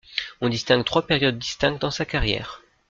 On distingue trois périodes distinctes dans sa carrière.